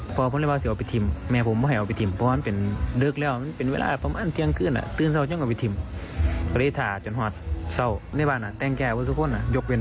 พ่อพ่อเรียกว่าเสียอวิธีมแม่ผมไม่ให้อวิธีม